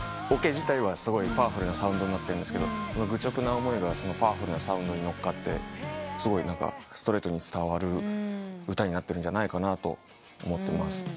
オケ自体はすごいパワフルなサウンドになってるんですけど愚直な思いがそのパワフルなサウンドに乗っかってすごいストレートに伝わる歌になってるんじゃないかなと思って。